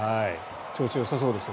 調子よさそうですよ